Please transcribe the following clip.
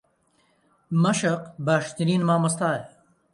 مەشق باشترین مامۆستایە.